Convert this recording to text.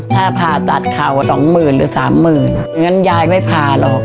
ถ้าผ่าตัดเขาเอา๒๐๐๐หรือ๓๐๐๐๐เงินนั้นยายไม่ผ่าหรอก